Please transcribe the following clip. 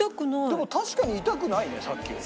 でも確かに痛くないねさっきより。